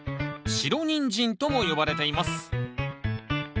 白ニンジンとも呼ばれています。